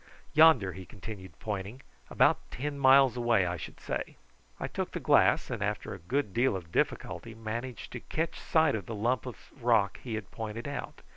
Yonder!" he continued, pointing. "About ten miles away, I should say." I took the glass, and after a good deal of difficulty managed to catch sight of the lump of rock he had pointed out.